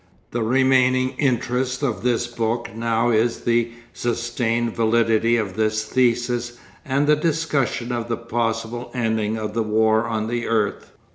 The remaining interest of this book now is the sustained validity of this thesis and the discussion of the possible ending of war on the earth.